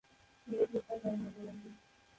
তিনি খ্রিস্টান ধর্মাবলম্বী।